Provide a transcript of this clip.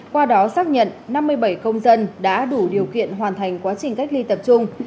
qua đó xác nhận năm mươi bảy công dân đã đủ điều kiện hoàn thành quá trình cách ly tập trung